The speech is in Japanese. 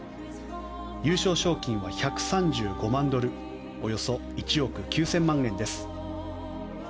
優勝賞金は１３５万ドルおよそ１億９０００万円です。